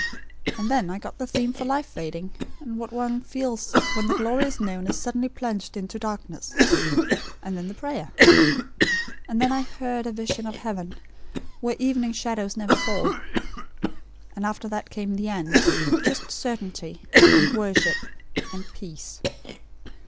And then I got the theme for life fading, and what one feels when the glorious noon is suddenly plunged into darkness; and then the prayer. And then, I HEARD a vision of heaven, where evening shadows never fall: And after that came the end; just certainty, and worship, and peace.